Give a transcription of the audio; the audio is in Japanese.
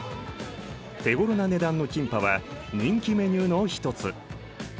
手ごろな値段のキンパは人気メニューの一つ。